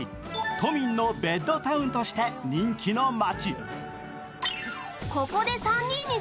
都民のベッドタウンとして人気の街。